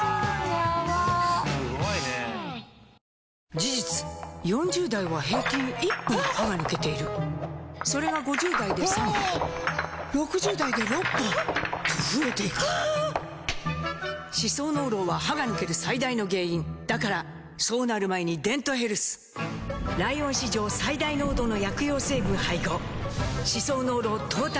事実４０代は平均１本歯が抜けているそれが５０代で３本６０代で６本と増えていく歯槽膿漏は歯が抜ける最大の原因だからそうなる前に「デントヘルス」ライオン史上最大濃度の薬用成分配合歯槽膿漏トータルケア！